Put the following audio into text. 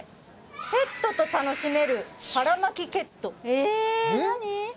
ペットと楽しめる腹巻ケットえ何？